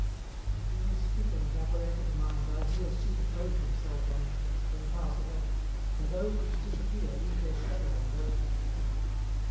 "But in this fickle and aberrated mind ideas superpose themselves on each other, then pass away, and those which disappear leave their shadow on those which follow.